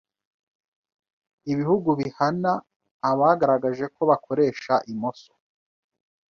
ibihugu bihana abagaragaje ko bakoresha imoso